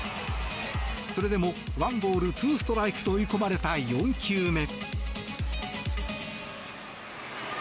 それでもワンボール、ツーストライクと追い込まれた４球目。